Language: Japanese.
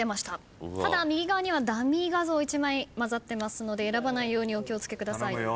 ただ右側にはダミー画像１枚まざってますので選ばないようにお気を付けください。